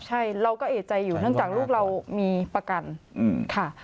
ใช่เราก็เอกใจอยู่เนื่องจากลูกเรามีประกันค่ะ